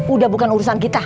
udah bukan urusan kita